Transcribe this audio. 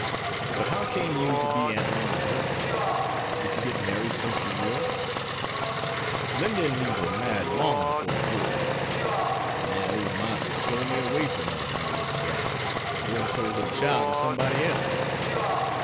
"But how came you to be Aunt Linda's husband? Did you get married since the war?" "Lindy an' me war married long 'fore de war. But my ole Marster sole me away from her an' our little gal, an' den sole her chile ter somebody else.